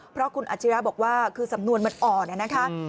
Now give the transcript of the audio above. เพราะคุณอาชิระบอกว่าคือสำนวนมันอ่อนนะคะ